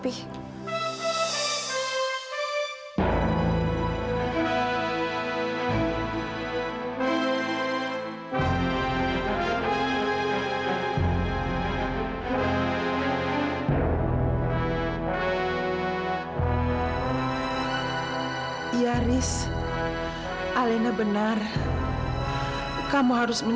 haris gak mau bu